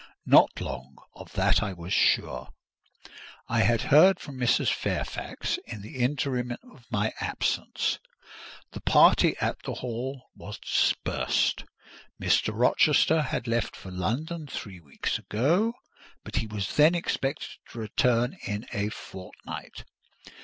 Not long; of that I was sure. I had heard from Mrs. Fairfax in the interim of my absence: the party at the hall was dispersed; Mr. Rochester had left for London three weeks ago, but he was then expected to return in a fortnight.